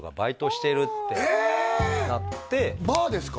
バーですか？